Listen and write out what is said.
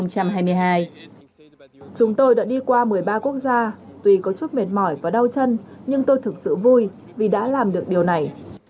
chúng tôi đã đi qua một mươi ba quốc gia tuy có chút mệt mỏi và đau chân nhưng tôi thực sự vui vì đã làm được điều này